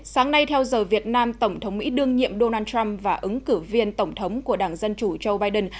sáng nay theo giờ việt nam tổng thống mỹ đương nhiệm donald trump và ứng cử viên tổng thống của đảng dân chủ joe biden